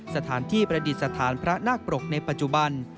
สถานที่ประดิษฐานพระนาคปรกในปัจจุบัน